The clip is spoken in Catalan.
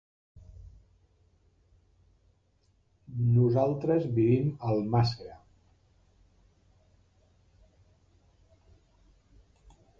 Nosaltres vivim a Almàssera.